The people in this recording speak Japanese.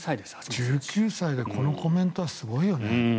１９歳でこのコメントはすごいよね。